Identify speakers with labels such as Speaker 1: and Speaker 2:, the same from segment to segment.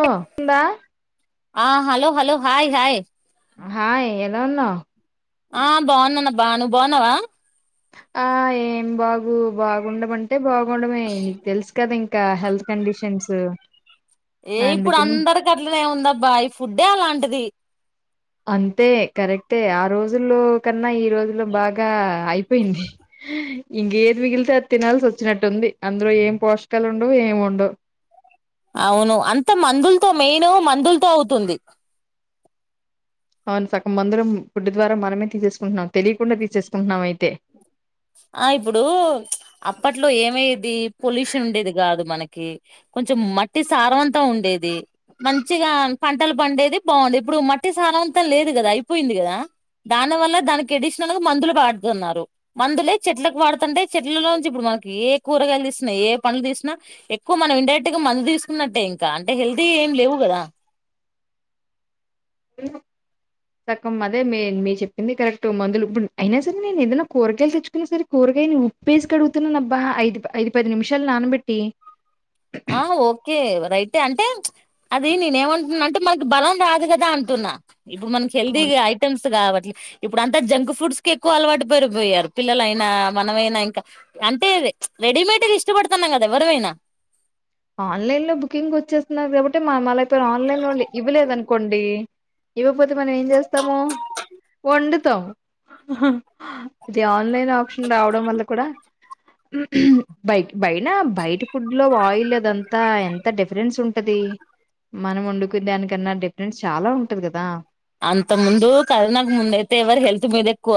Speaker 1: ఓ ఉందా
Speaker 2: ఆ hello hello hi hi
Speaker 1: hi ఎలవున్నావ్
Speaker 2: ఆ బాగున్నాన్నబ్బ నువ్వు బాగున్నావా
Speaker 1: ఆ ఏం బాగు బాగుండమంటే బాగుండమే నీకు తెల్సు కదా ఇం ఇంక హెల్త్ కండిషన్స్
Speaker 2: ఏ ఇప్పుడు
Speaker 1: అందుకని
Speaker 2: అందర్కట్లనే ఉందబ్బా ఈ ఫుడ్డే అలాంటిది
Speaker 1: అంతే కరెక్టే ఆ రోజుల్లో కన్నా ఈ రోజుల్లో బాగా అయిపోయిన్ది ఇంకేద్మిగిలితేది తినాల్సి వచ్చినట్టుంది అందులో ఏం పోషకాలు ఉండవు ఏం ఉండవు
Speaker 2: అవును అంత మందుల్తో మెయిన్ మందుల్తో అవుతుంది
Speaker 1: అవును సగమందురం పుడ్డు ద్వారా మనమే తీసేసుకుంటున్నాం తెలియకుండా తీసేసుకుంటున్నాం అయితే
Speaker 2: ఆ ఇప్పుడూ అప్పట్లో ఏమయ్యేది పొల్యూషనుండేది కాదు మనకి కొం చెం మట్టి సారవంతం ఉండేది మంచిగా పంటలు పండేది బాగుంది ఇప్పుడు మట్టి సారం లేదు కదా అయిపోయింది కదా దాని వల్ల దానికి అడిషనల్గా మందులు పాడుతున్నారు మందులే చెట్లకు వాడుతంటే చెట్లలోంచి ఇప్పుడు మనకి ఏ కూరగాయలు తీసినా ఏ పనులు తీసినా ఎక్కువ మనం ఇండైరెక్ట్గా మందు తీసుకున్నట్టే ఇంకా అంటే హెల్తీ ఏం లేవు కదా
Speaker 1: సగ్గం అదే మే మీ చెప్పింది కరెక్ట్ మందులు ఇప్పుడు అయినా సరే నేనేదైనా కూరగాయలు తెచ్చుకున్నా సరే కూర్ కురగాయని ఉప్పేసి కడుగుతున్నానబ్బా ఐదు ఐదు పది నిమిషాలు నానబెట్టి
Speaker 2: ఆ ఓకే రైటే అంటే అది నేనేమంటున్నా అంటే మనకి బలం రాదు కదా అంటున్నా ఇప్పుడు మనకేల్దీగ ఐటెమ్స్ కాబట్ ఇప్పుడు అంతా జంక్ ఫుడ్స్ కి ఎక్కువ అలవాటు పరిపోయారు పిల్లలైనా మనమైనా ఇంకా అంటే రెడిమేడ్ది ఇష్టపడుతున్నం గదా ఎవరువైనా
Speaker 1: ఆన్లైన్ లో బుకింగ్ ఓచ్చేస్తున్నారు కాబట్టి మా మళ్ళ పేరు ఆన్లైన్లో ఇవ్వలేదనుకోండి ఇవ్వపోతే మనమేం చేస్తాము వండు తం ఇది ఆన్లైన్ ఆప్షన్ రావడం వల్ల కూడా బైక్ బైైన బయట ఫుడ్లో ఆయిల్ అదంతా ఎంత డిఫరెంట్స్ సుంటది మనం వండుకున్దానికన్నా డిఫరెంస్ చాలా ఉంటది కదా
Speaker 2: అంత ముందు కరోనాకు ముందు అయితే ఎవరు హెల్త్ మీద ఎక్కువ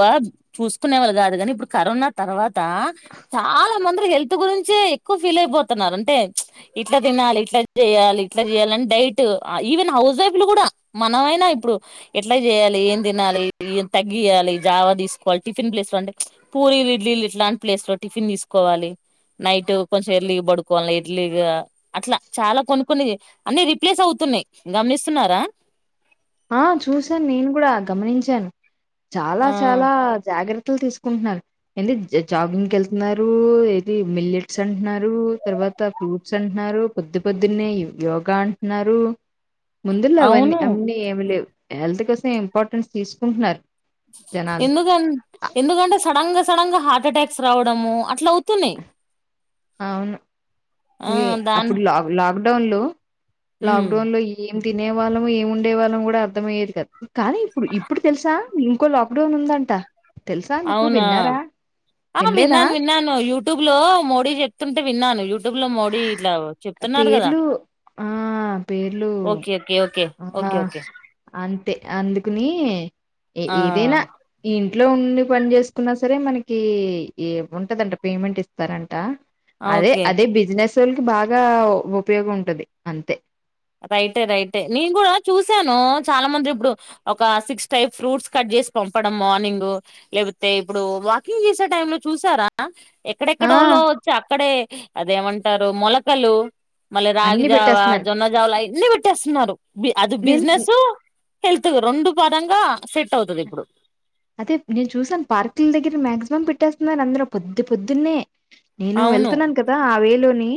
Speaker 2: చూసుకునే వాళ్ళు కాదు కానీ ఇప్పుడు కరో న తర్వాత చాలా మంది హెల్త్ గురించే ఎక్కుఫీల్ అయిపోతున్నారు అంటే ఇట్లా ఇట్ల తినాలి ఇట్లా చేయాలి ఇట్లా చేయాలని డైట్ ఈవెన్ ఆ హౌసైఫ్లు కూడా మనమైనా ఇప్పుడు ఎట్లా చేయాలి ఏం తినాలి ఏ తగ్గియాలి జావా తీసుకోవాలి టిఫిన్ ప్లేస్లో అంటే పూరి ఇడ్లీల్ ఇట్లాంటి ప్లేస్లో టిఫిన్ తీసుకోవాలి నైట్ కొంచెం ఎర్లీగ పడుకోవాలి ఎర్లీగా అట్లా చాలా కొన్ని కొన్ని అన్ని రిప్లేసవుత్ స్తున్నాయ్ గమ్నిస్తున్నారా
Speaker 1: ఆ చూసాను నేను కూడా గమ్నించాను చాలా
Speaker 2: ఆ
Speaker 1: చాలా జాగ్రత్ తల్ తీసుకుంటు ఏంది జాగింగ్ కేళ్తున్నారు ఏది మిలెట్స్ అంటున్నారు తర్వా తర్వాత ఫ్రూట్స్ అంట్నారు పొద్దు పొద్దునే యోగా అంటున్నారు ముందులో అవన్నీ
Speaker 2: అవును
Speaker 1: అవన్నీ ఏమ్లేమ్ హెల్త్ కోసం ఇంపార్టెన్స్ తీసుకుంటున్నార్
Speaker 2: ఎందుకన్ ఎందుకంటే సడన్గా సడన్గా హార్టటాక్స్ రావడము అట్లా అవుతున్నాయ్
Speaker 1: అవును వి
Speaker 2: దాన్
Speaker 1: అప్పుడు లాక్ లాక్డౌన్లో
Speaker 2: ఉమ్
Speaker 1: లాక్డౌన్ లో ఏ ఏం తినే వాళ్ళము ఏం ఉండే వాళ్ళం కూడా అర్థం అయ్యేది కదా కానీ ఇప్పుడు ఇప్పుడు తెల్సా ఇంకో లాక్డౌన్ ఉందంట తెలుసా మీకు
Speaker 2: అవునా
Speaker 1: విన్నారా
Speaker 2: ఆ
Speaker 1: వినలేదా
Speaker 2: విన్నాను విన్నాను యు యూట్యూబ్లో మోడీ చెప్తుంటే విన్నాను. యూట్యూబ్లో మోడీ ఇట్లా చెప్తున్నారు కదా?
Speaker 1: పేర్లు ఆ పేర్లు
Speaker 2: ఓకే ఓకే ఓకే
Speaker 1: ఆ
Speaker 2: ఓకే ఓకే
Speaker 1: అంతే అందుకుని ఏ
Speaker 2: ఆ
Speaker 1: ఏదైనా ఈ ఇంట్లో ఉన్ ఎందుకు పనిజేస్కున్నా సరే మనకి ఇ ఉంటదంట పేమెంటిస్తారంట.
Speaker 2: ఆ!
Speaker 1: అదే
Speaker 2: ఓకే
Speaker 1: అదే బిజినెసోళ్ళకి బాగా ఉపయోగం ఉంటది అంతే
Speaker 2: రైటె రైటె నేను కూడా చూసాను చాలా మంది ఇప్పుడు ఒక సిక్స్ టైప్ ఫ్రూట్స్ కట్ చేస్ పంపడం మార్నింగ్ లేకపోతే ఇప్పుడు వాకింగ్ చేసే టై లో చూసారా
Speaker 1: ఆ
Speaker 2: ఎక్కడెక్కడోల్లో వచ్చి అక్కడే అదేమంటారు మొలకలు మళ్ళీ
Speaker 1: అన్ని
Speaker 2: రాగిజావా,
Speaker 1: పెట్టేస్తున్నారు
Speaker 2: జొన్న జావా అయన్ని పెట్టేస్తున్నారు అది
Speaker 1: నేను
Speaker 2: బిజినెస్. హెల్త్ రెండు పదంగా
Speaker 1: అదే నేను చూసాను పార్క్ల దగ్గర మ్యాగ్ త్వం పెట్టేస్తున్నారు అందరు పొద్దు పొద్దున్నే నేను
Speaker 2: అవును
Speaker 1: వెళ్తున్నాను కదా ఆ వేలొ నీ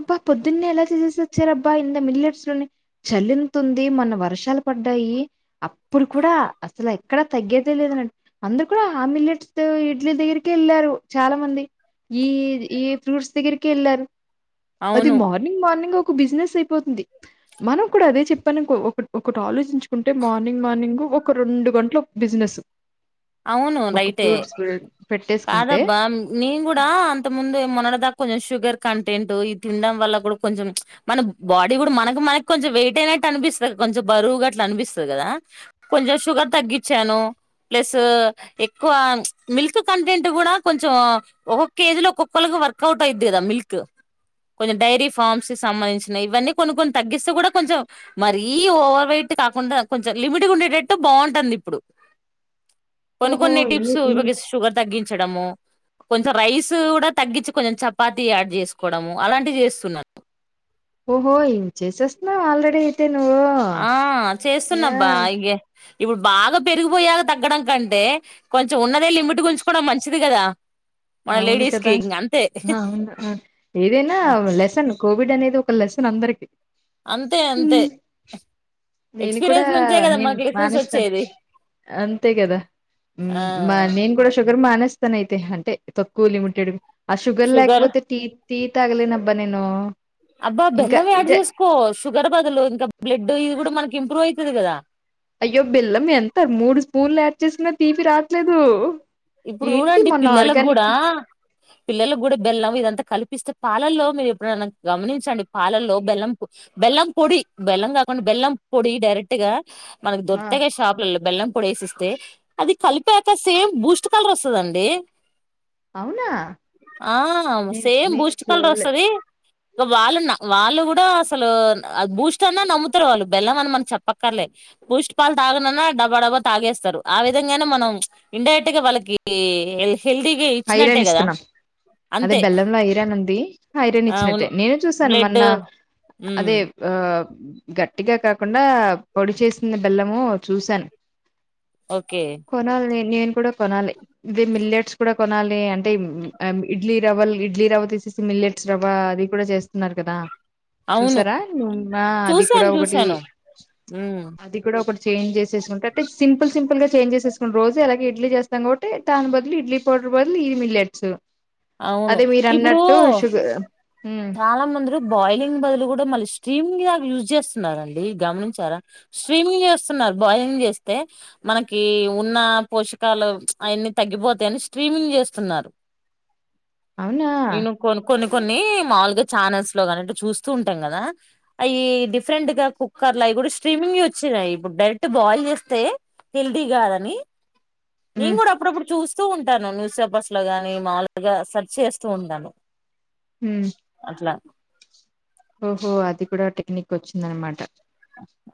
Speaker 1: అబ్బా పొద్దున్నే ఎలా తీసేసి వచ్చారు అబ్బా ఇ మిల్లర్స్ లోని చాలెంతుంది మన వ వర్షాలు పడ్డాయి అప్పుడు కూడా అసలు ఎక్కడా తగ్గేదే లేదనన్, అందురు కూడా ఆ మిలెట్స్ ఇడ్లీ దగ్గరికే వెళ్ళారు చాలా మంది. ఈ ఈ ఫ్రూట్స్ దగ్గరికి ఏళ్ళారు అది
Speaker 2: అవును
Speaker 1: మార్నింగ్ మార్నింగ్ ఒక కు బిజినెస్ అయిపోతుంది. మనం కూడా అదే చెప్పాను ఒకటి ఆలోచించ కుంటే మార్నింగ్ మార్నింగ్ ఒక రెండు గంటలు బిజినెస్.
Speaker 2: అవును
Speaker 1: ఒక
Speaker 2: నైటె
Speaker 1: ఫ్రూట్స్ పెట్టేసుకుంటే
Speaker 2: కాదబ్బా నేన్ కూడా అంత ముందె మొనడదాక కొంచం షుగర్ కంటెంట్ ఇద్ తినడం వల్ల కూడా కొంచెం ప్చ్ మన బాడీ గుడా మనకు మనకి కొంచెం వెయిట్ అయినట్టు అనిపిస్తది. కొంచెం బరువుగా అట్లా అనిపిస్తది కదా కొంచెం షుగర్ తగ్గించాను ప్లస్ తూ ఎక్కువ ప్చ్ మిల్క్ కంటెంట్ కూడా కొంచెం ఒక్క ఏజ్ లొ ఒక్కోలాకి వర్క్ అవ్ కయిద్ద గదా మిల్క్ కొంచెం డైరీ ఫామ్స్ సంబంధించినవి ఇవన్నీ కొన్ని కొన్ని తగ్గిస్తే కూడా కొంచెం మరీ ఓవర్వయిట్ టి కాకుండా కొంచెం లిమిట్గా ఉండేటట్టు బావుంటంది ఇప్పుడు. కొన్ని
Speaker 1: ఓహో
Speaker 2: కొన్ని టిప్స్
Speaker 1: ఎన్ని
Speaker 2: ఇవి షుగర్ తగ్గించడము. కొంచెం రైస్ కూడా తగ్గించి, కొంచెం చపాతి యాడ్ చేసుకోవడము అలాంటివి చేస్తున్నాను.
Speaker 1: ఓహో ఇవి చేసేస్తాన్నావా ఆల్రెడీ నువ్వు
Speaker 2: ఆ చేస్తున్నాబ్బా ఇగే ఇప్పుడు బాగా పెరిగిపోయాక తగ్గడం కంటే, కొంచెం ఉన్నదే లిమిట్ గుంచుకోవడం మంచిది గదా.
Speaker 1: అవును కదా హా ఆవును అ ఏదైనా
Speaker 2: ఆ!
Speaker 1: లెసన్ కో కోవిడ్ అనేది ఒక లెసన్ అందరికి
Speaker 2: అంతే అంతే
Speaker 1: నేను కూడా
Speaker 2: ఎక్స్పీరియన్స్ నుంచే కదా
Speaker 1: నేను
Speaker 2: మాకు లెసెన్స్
Speaker 1: మానేస్తాను
Speaker 2: వచ్చేది.
Speaker 1: అంతే కదా
Speaker 2: ఆ
Speaker 1: మ్ మా నేను కూడా షుగర్ మానేస్తాను అయితే అం తక్కువ లిమిటెడ్ ఆ శుగర్
Speaker 2: షుగర్
Speaker 1: లెక్పోతే టీ టి తగలెనబ్బా నేను.
Speaker 2: అబ్బా
Speaker 1: ఇంకా
Speaker 2: బెల్లం యాడ్
Speaker 1: ఇదే
Speaker 2: చేసుకో, షుగర్ బదులు ఇంకా బ్లడ్ ఇది కూడా మనకి ఇంప్రూవ్ అయితది కదా.
Speaker 1: అయ్యో బెల్లం ఎంత మూడు స్పూన్లు యాడ్ చేసినా తీపి రాట్లేదు.
Speaker 2: ఇప్పుడు చూడండి పిల్లలకి గుడా పిల్లలకు గుడా బెల్లం ఇదంతా కల్పిస్తే పాలల్లో మీరు ఎప్పుడైనా గమనించండి. పాలల్లో బెల్లం బెల్లం పొడి, బెల్లం కాకుండా బెల్లం పొడి డైరెక్ట్గా మనకి దొరకతయిగా షాపులలో బెల్లం పొడి ఏసిస్తే అది కలిపాక సేమ్ బూస్ట్ కలర్ వస్తాదండి.
Speaker 1: అవునా
Speaker 2: ఆ
Speaker 1: నేను
Speaker 2: సేమ్
Speaker 1: నేను
Speaker 2: బూస్ట్ కలర్
Speaker 1: చూడలే
Speaker 2: వస్తది. దో వాళ్ళున్న వాళ్ళు కూడా అసలు బూస్ట్ అన్నా నమ్ముతారు. వాళ్ళు బెల్లం అని మనం చెప్పక్కర్లే. బూస్ట్ పాలు తాగనన్నా డబ డబ తాగేస్తారు. ఆ విధంగానే మనం ఇండైరెక్ట్ గా వాళ్ళకి గి హి హెల్ హల్దికగి ఇచ్చినట్టే
Speaker 1: ఐరన్
Speaker 2: గదా.
Speaker 1: ఇస్తున్నాం అదే బెల్లంలో ఐరాన్ ఉంది. ఐరాన్ ఇచ్చినట్టే
Speaker 2: అవును
Speaker 1: నేనే చూసాను
Speaker 2: బ్లడ్
Speaker 1: మొన్న.
Speaker 2: హ్మ్
Speaker 1: అదే ఆ గట్టిగా కాకుండా పొడి చేసిన బెల్లము చూశాను
Speaker 2: ఓకే
Speaker 1: నేను కూడా కొనాలి ఇది మిల్లెట్స్ ఇప్పుడే కొనాలి అంటే ఇడ్లీ రవల్ ఇడ్లీ రవ్వ తీసేసి మిల్లెట్స్ రవ్వ అది కూడా జేస్తున్నారు కదా.
Speaker 2: అవును
Speaker 1: చూసారా ను మా అది కూడా
Speaker 2: చూసాను
Speaker 1: ఒకటి
Speaker 2: చూసాను హ్మ్
Speaker 1: అది కూడా ఒకట్ చేంజ్ జెసేసుకుంటట్టు సింపుల్ సింపుల్ గా చేంజ్ జెసేసుకుంట రోజ అలాగే ఇడ్లీ జెస్తాం. కాబట్టి దాని బాదలు ఇలీ కోటి రూపాయలుది ఈ మిల్లెట్స్
Speaker 2: అవును
Speaker 1: అదే మీరు
Speaker 2: ఇప్పుడూ
Speaker 1: అన్నట్టు షుగర్ ఉమ్
Speaker 2: చాలా మంద్రు బాయిలింగ్ బదులు గూడా మల్లిస్ స్ట్రీమింగ్ కు యూజ్ జేస్తున్నారండి. గమనించారా స్ట్రీమింగ్ జేస్తున్నారు. బాయిలింగ్ జెస్తే మనకి ఉన్న పోషకాలు అవన్ని తగ్గిపోతాయని స్ట్రీమింగ్ చేస్తున్నారు.
Speaker 1: అవునా
Speaker 2: నెను కొనుక్కొని కొన్ని మాములుగా ఛానల్స్ లో గానటు చూస్తూ ఉంటాం కదా. అవి డిఫరెంట్ గా కుక్కర్ లా ఇప్పుడ్ స్ట్రీమింగె వచ్చినాయి. ఇప్పుడ్ డైరెక్ట్ బాయిల్ జెస్తే హెల్ది గాదని నేను
Speaker 1: హ్మ్
Speaker 2: గూడా అప్పుడప్పుడు చూస్తూ ఉంటాను. న్యూస్ పేపర్స్ లో గాని మాముూలుగా సర్చ్ జెస్తూ ఉంటాను.
Speaker 1: హ్మ్
Speaker 2: అట్ల
Speaker 1: ఓహో అది కూడా టెక్నిక్ ఓచ్చిందనమాట.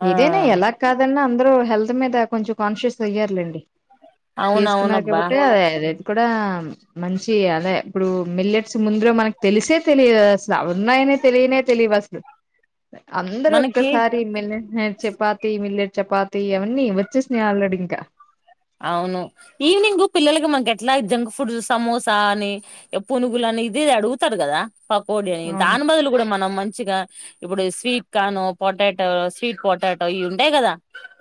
Speaker 2: ఆ
Speaker 1: ఏదైనా ఎలా కాదన్నా అందరూ హెల్త్ మీద కొంచం కాన్షియస్ అయ్యారులేండి. చేసుకున్నారు
Speaker 2: అవునవునబ్బా
Speaker 1: కాబట్టి ఏ కూడా మంచి అదే ఇప్పుడు మిల్లెట్స్ ముందలా మనకు తెలిసే తెలియా అస్ల ఉన్నాయనే తెలియనే తెలివు అసలు అందరు
Speaker 2: మనకి
Speaker 1: ఒక్కసారి మిల్లెట్ చపాతి మిల్లెట్ చపాతి అవన్నీ వచ్చేసినాయి ఆల్రెడి ఇంకా
Speaker 2: అవును ఈవినింగ్ పిల్లలకి మనక్ ఎట్లా జంక్ ఫుడ్ సమోసా అని పునుగులన్ ఇది అడుగుతారు గదా పకోడి అని
Speaker 1: అవును
Speaker 2: దాని బదులు గూడా మనం మన్ చ్చిగా ఇప్పుడు స్వీట్ కాను పొటాటో స్వీట్ పొటాటో ఇవి ఉండాయి గదా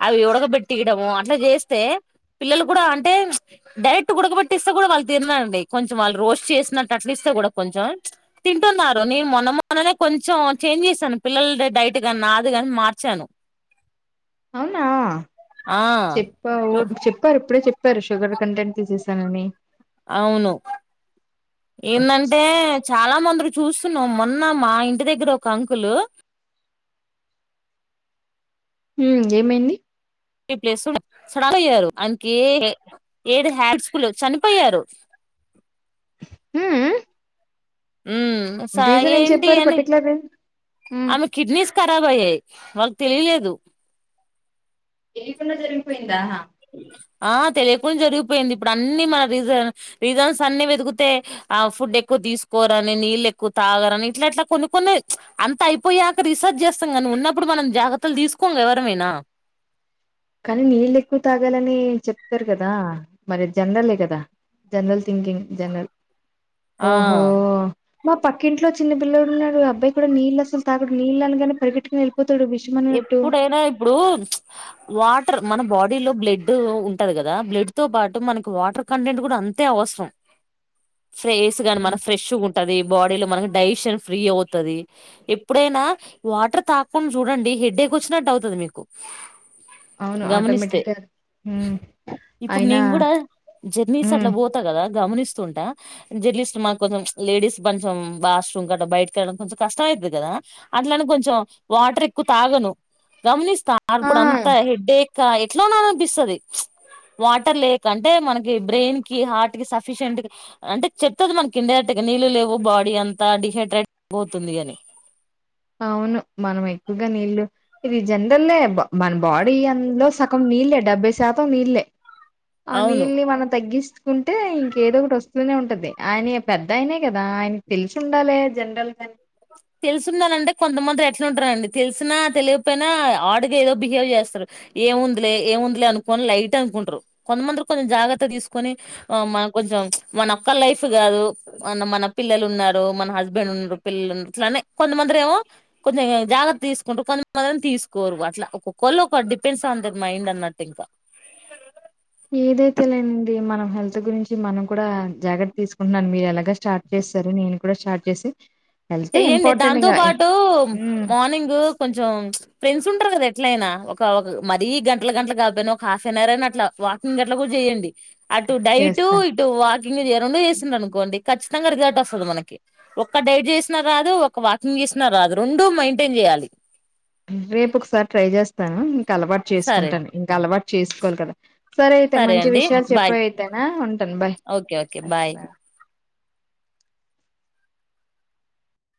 Speaker 2: అవి ఉడ్క పెట్టియడము అట్లా చేస్తే పిల్లలు గూడా అంటే డైరెక్ట్ ఉడకబట్టిస్తే గూడా వాళ్ళు తినరండి. కొంచెం వాళ్ళు రోస్ట్ చేసినట్టు అట్ల ఇస్తే కొంచెం తింటున్నారు. నేను మొన్న మొన్ననే కొంచెం చేంజ్ చేసాను. పిల్లల్ ది డైట్ గన్నా నాది గాని మార్చాను
Speaker 1: అవునా
Speaker 2: ఆ
Speaker 1: చెప్పావు
Speaker 2: చూడు
Speaker 1: చెప్పారు ఇప్పుడే చెప్పారు షుగర్ కంటెంట్ తీసేసానని
Speaker 2: అవును ఏందంటే చాలా మంది చూస్తున్నాం మొన్న మా ఇంటి దగ్గర ఒక అంకులు
Speaker 1: ఉమ్ ఏమైంది
Speaker 2: కి ప్లస్ ఉండే చనిపోయారు. ఆయనకి ఏది హ్యాబిట్స్ కూడ లేవు చనిపోయారు.
Speaker 1: హు ఉ
Speaker 2: ఉమ్ సా ఏంటి అని
Speaker 1: పర్టికులర్ రీజన్ ఉమ్
Speaker 2: ఆమె కిడ్నీస్ కారబ్ అయ్యాయి వా తెలిలేదు
Speaker 1: తెలీకుండా జరిగిపోయిందా
Speaker 2: యింది ఇప్పుడు అన్ని మ రీజ రీజన్స్ అన్ని వెతుకుతే ఆ ఫుడ్ ఎక్కువ తీసుకోరని నీళ్ళ ఎక్కు తాగరని ఇట్లా ఇట్లా కొన్ని కొన్ని అంత అయిపోయాక రీసెర్చ్ చేస్తాం గాని, ఉన్నప్పుడు మన జాగ్రత్తలు తీ తీసుకోంగ ఎవరమైనా
Speaker 1: కానీ నీళ్ళెక్కువ తా గాలని చెప్తరు గదా మరి అది జనరలే గదా జనరల్ థింకింగ్ జనరల్
Speaker 2: ఆ
Speaker 1: ఓహో మా పక్కింట్లో చిన్న పిల్లోడు ఉన్నాడు. అబ్బాయి కూడా నీళ్ళు అసలు తాగడు. నీళ్ళ అనగానే పరిగెటుకొని ఎల్
Speaker 2: ఎప్పుడైనా ఇప్పుడూ వా టర్ మన బాడీ లో బ్లడ్ ఉంటది గదా. బ్లడ్ తో పాటు మనకి వాటర్ కంటెంట్ గూడా అంతే అవసరం. ఫ్రేస్ గాని మన ఫ్రెష్గుంటది బా మనకి డైజషన్ ఫ్రీ అవుతది. ఎప్పుడైనా వాటర్ తాగకుండా చూడండి. హెడ్డేక్ ఓచ్చినట్టు అవుతది మీకు
Speaker 1: అవును
Speaker 2: గమనిస్తే
Speaker 1: ఆటోమేటిక్ గా ఉమ్
Speaker 2: ఇప్పుడు
Speaker 1: అయినా
Speaker 2: నేన్ గూడా జర్నీస్
Speaker 1: ఉమ్
Speaker 2: అట్లా పో తా కద గమనిస్ తుంట జర్లీస్ట్ మాకొంచెం లేడీస్ బంచం వాష్రూమ్ కట్ల బయటకెళ్ళడం కొంచం కష్టం అవుతుది కదా అట్లానే కొంచెం వాటర్ ఎక్కువ తాగను గమనిస్తా
Speaker 1: ఆ
Speaker 2: అప్పుడంత హెడేక్ ఎట్లా ఉన్నా అనిపిస్తది వాటర్ లేక అంటే మనకి బ్రెయిన్కి హార్ట్కి సఫిషియంట్కి అంటే చెప్తది మనకిండైరెక్ట్ గా నీళ్ళు లేవు బాడీ అంతా డిహైడ్రేట్ అయిపోతుందని
Speaker 1: అవును మనం ఎక్కువ నీళ్ళు ఇది జనరలే మన బాడీ అందులో సగం నీళ్ళే డెబ్బై శాతం నీళ్ళే ఆ
Speaker 2: అవును
Speaker 1: నీల్ని మనం తగ్గిస్త కుంటే ఇంకేదో ఒకటోస్తూనే ఉంటది ఆయన ఇగ పెద్దాయినే కదా ఆయనకి తెలిసుండాలే జనరల్ గాని
Speaker 2: తెలుసుందనంటే కొంతమంది ఎట్లుంటరండి తెలిసినా తెలియకపోయినా హార్డ్ గా ఏదో బిహేవ్ చేస్తరు ఏంముందిలే ఏముందిలే అనుకోని లైట్ అనుకుంటరు కొంతమంది కొంత జాగ్రత్త తీసుకొని మన కొంచెం మనొక్క లైఫ్ కాదు మన మన పిల్లలున్నారు మన హస్బెండ్ ఉన్నారు పిల్లలు అట్లనే కొంతమందిరేమో కొంచెం జాగ్రత్త తీసుకుంటు కొంతమందేమో తీసుకోరు అట్లా ఒకొక్క వాళ్లోక డిపెన్స్ ఆన్ థెర్ మైండ్ అన్నట్టు ఇంకా
Speaker 1: ఏదైతే ఏముంది మన హెల్త్ గురించి మనం కూడా జాగ్రత్త తీసుకుంటున్నా మీరు ఎలా స్టార్ట్ చేసారు నేను కూడా స్టార్ట్ చేసి హెల్తే
Speaker 2: చెయ్యండి
Speaker 1: ఇంపార్టెంట్
Speaker 2: దాంతో
Speaker 1: ఇంగ
Speaker 2: పాటు
Speaker 1: ఉమ్
Speaker 2: మార్నింగు కొంచెం ఫ్రెండ్స్ ఉంటరు కద ఎట్లయినా ఒక మరీ గంటల గంటలు కాకపోయినా ఒక హాఫ్ అండ్ అవర్ అయిన అట్లా వాకింగ్ గట్ల కూడా చేయండి అటు డైటూ
Speaker 1: చేస్తాను
Speaker 2: ఇటు వాక్ రెండు చేసిందనుకోండి ఖచ్చితంగా రిజల్ట్ వస్తది మనకి ఒక డైట్ చే రాదు ఒక వాకింగ్ చేసిన రాదు రెండు మెయింటేన్ చేయాలి
Speaker 1: రేపు ఒకసారి ట్రై చేస్తాను ఇంక అలవాటు
Speaker 2: సరే
Speaker 1: చేసుకుంటాను ఇంక అలవాటు చేసుకోవాలి కదా సరే అయితే మంచి
Speaker 2: అండి
Speaker 1: విషయాలు
Speaker 2: బాయ్
Speaker 1: చెప్పే అయితేనా ఉంటాను బాయ్
Speaker 2: ఓకే ఓకే
Speaker 1: బాయ్